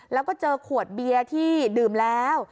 แล้วก็เจอขวดเบียร์ที่ดื่มแล้ว